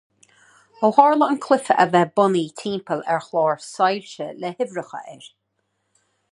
Ó tharla an cluiche a bheith bunaithe timpeall ar chlár soilse le huimhreacha air.